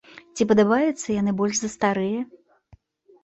Ці падабаюцца яны больш за старыя?